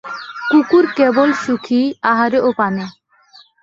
কুকুর সুখী কেবল আহারে ও পানে।